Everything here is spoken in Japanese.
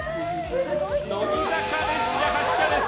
乃木坂列車発車です！